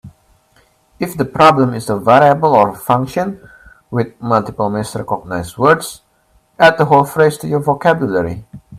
If the problem is a variable or function with multiple misrecognized words, add the whole phrase to your vocabulary.